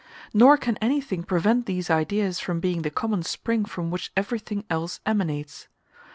Nor can anything prevent these ideas from being the common spring from which everything else emanates.